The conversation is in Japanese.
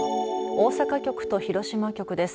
大阪局と広島局です。